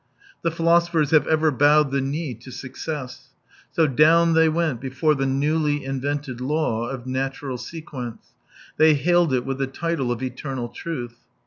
The philosophers have ever bowed the knee to success. So down they went before the newly invented law of natural sequence, they hailed it with the title of eternal truth.